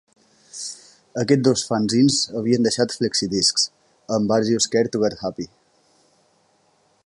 Aquests dos fanzins havien deixat flexidiscs, amb "Are You Scared To Get Happy?".